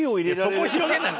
そこを広げない。